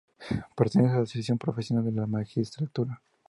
Pertenece a la Asociación Profesional de la Magistratura.